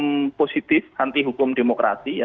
ini adalah anti hukum positif anti hukum demokrasi